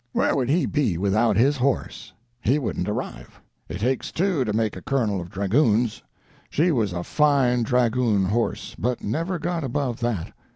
Where would he be without his horse? He wouldn't arrive. It takes two to make a colonel of dragoons. She was a fine dragoon horse, but never got above that.